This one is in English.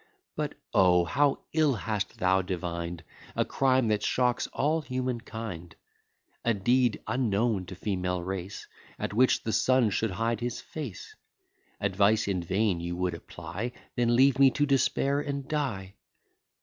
But, oh! how ill hast thou divined A crime, that shocks all human kind; A deed unknown to female race, At which the sun should hide his face: Advice in vain you would apply Then leave me to despair and die.